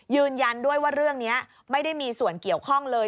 ยืนยันด้วยว่าเรื่องนี้ไม่ได้มีส่วนเกี่ยวข้องเลย